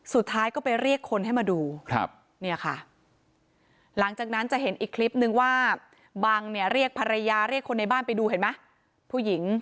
สุดท้ายก็ไปเรียกคนให้มาดูเนี่ยค่ะหลังจากนั้นจะเห็นอีกคลิปนึงว่าบังเนี่ยเรียกภรรยาเรียกคนในบ้านไปดูเห็นไหมผู้หญิง